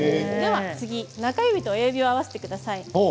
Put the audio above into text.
次は中指と親指を合わせてください。